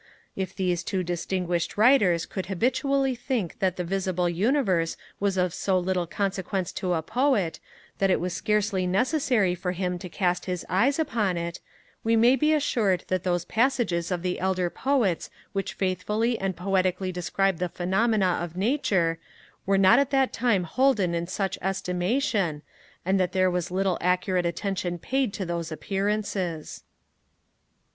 If these two distinguished writers could habitually think that the visible universe was of so little consequence to a poet, that it was scarcely necessary for him to cast his eyes upon it, we may be assured that those passages of the elder poets which faithfully and poetically describe the phenomena of nature, were not at that time holden in much estimation, and that there was little accurate attention paid to those appearances.